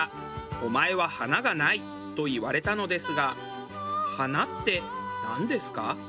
「お前は華がない」と言われたのですが「華」ってなんですか？